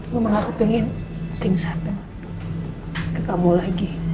mama gak ingin hal hal terjadi ke kamu lagi